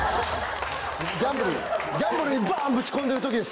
ギャンブルにバン！ぶち込んでる時です！